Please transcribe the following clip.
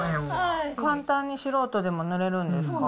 簡単に素人でも塗れるんですか？